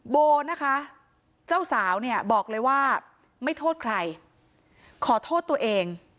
โบนะคะเจ้าสาวเนี่ยบอกเลยว่าไม่โทษใครขอโทษตัวเอง